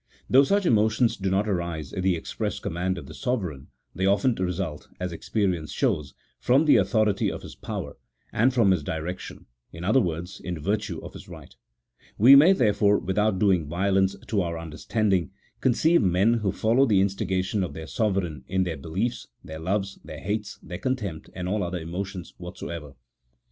Though such emotions do not arise at the express command of the sovereign they often result (as experience shows) from the authority of his power, and from his direc tion ; in other words, in virtue of his right ; we may, there fore, without doing violence to our understanding, conceive men who follow the instigation of their sovereign in their belief s, their loves, their hates, their contempt, and all other emotions whatsoever.